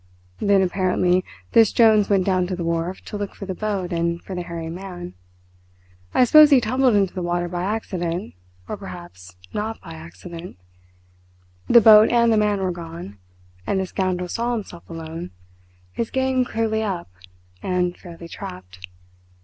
Then, apparently, this Jones went down to the wharf to look for the boat and for the hairy man. I suppose he tumbled into the water by accident or perhaps not by accident. The boat and the man were gone, and the scoundrel saw himself alone, his game clearly up, and fairly trapped.